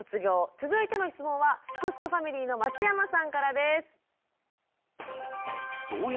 続いての質問はすくすくファミリーの松山さんからです。